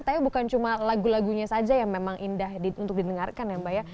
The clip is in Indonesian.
tapi bukan cuma lagu lagunya saja yang memang indah untuk didengarkan ya mbak ya